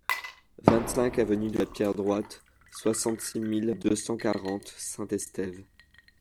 vingt-cinq avenue de la Pierre Droite, soixante-six mille deux cent quarante Saint-Estève